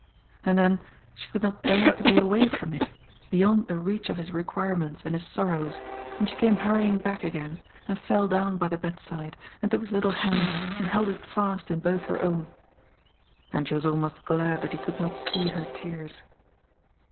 And, then, she could not bear to be away from it, beyond the reach of his requirements and his sorrows, and she came hurrying back again, and fell down by the bed side, and took his little hand and held it fast in both her own. And she was almost glad that he could not see her tears.